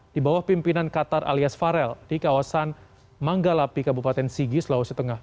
di bawah pimpinan qatar alias farel di kawasan manggalapi kabupaten sigi sulawesi tengah